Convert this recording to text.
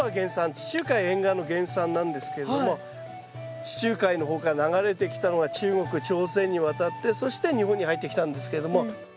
地中海沿岸の原産なんですけれども地中海の方から流れてきたのが中国朝鮮に渡ってそして日本に入ってきたんですけれども。